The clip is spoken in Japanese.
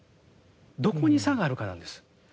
どこに差があるかなんです。